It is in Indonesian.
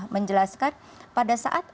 menjelaskan pada saat